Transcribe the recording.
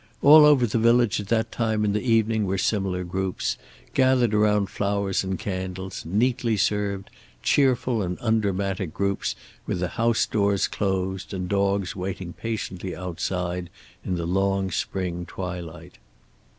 All over the village at that time in the evening were similar groups, gathered around flowers and candles; neatly served, cheerful and undramatic groups, with the house doors closed and dogs waiting patiently outside in the long spring twilight.